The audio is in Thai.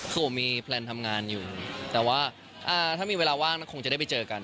คือผมมีแพลนทำงานอยู่แต่ว่าถ้ามีเวลาว่างคงจะได้ไปเจอกัน